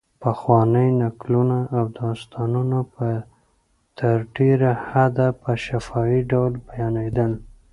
پخواني نکلونه او داستانونه په تر ډېره حده په شفاهي ډول بیانېدل.